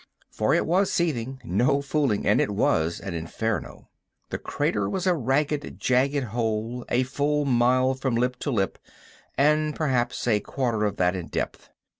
For it was seething, no fooling; and it was an inferno. The crater was a ragged, jagged hole a full mile from lip to lip and perhaps a quarter of that in depth.